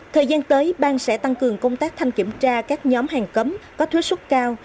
thời gian tới bang sẽ tăng cường công tác thanh kiểm tra các nhóm hàng cấm có thuế xuất cao